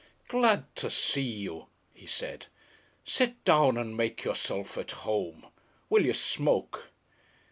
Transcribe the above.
"Glad to see you," he said. "Sit down and make yourself at home. Will you smoke?"